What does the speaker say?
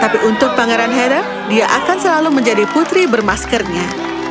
tapi untuk pangeran harren dia akan selalu menjadi putri bermaskernya